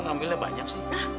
kamu ambilnya banyak sih